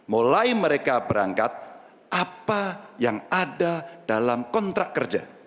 mulai mereka berangkat apa yang ada dalam kontrak kerja